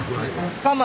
深町？